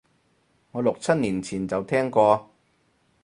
我六七年前就聽過